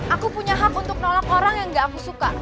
aku punya hak untuk nolak orang yang gak aku suka